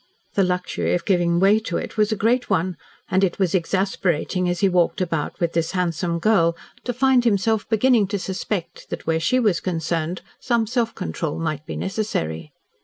The luxury of giving way to it was a great one, and it was exasperating as he walked about with this handsome girl to find himself beginning to suspect that, where she was concerned, some self control might be necessary.